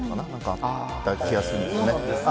あった気がするんですよね。